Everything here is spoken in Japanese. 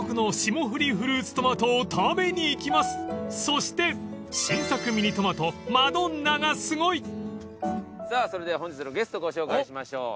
［そして新作ミニトマトマドンナがすごい］さぁそれでは本日のゲストご紹介しましょう。